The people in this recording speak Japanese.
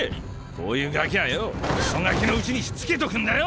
こういうガキはよぉクソガキのうちにしつけとくんだよ！